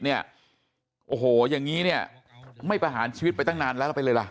โอ้โหอย่างนี้เนี่ยไม่ประหารชีวิตไปตั้งนานแล้วแล้วไปเลยล่ะ